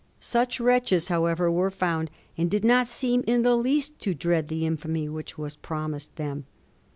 Such wretches, how ever, were found, and did not seem in the least to dread the infamy which was promised them.